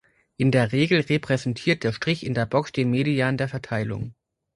In der Regel repräsentiert der Strich in der Box den Median der Verteilung.